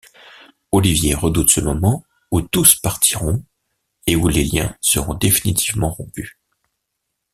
Olivier redoute ce moment où tous partiront et où les liens seront définitivement rompus.